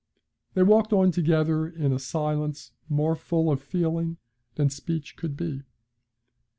They walked on together in a silence more full of feeling than speech could be.